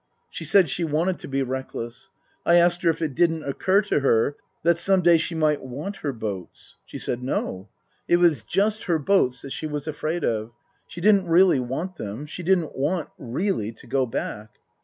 She said she wanted to be reckless. I asked her if it didn't occur to her that some day she might want her boats ? She said, No. It was just her boats that she was afraid of. She didn't really want them. She didn't want really to go back.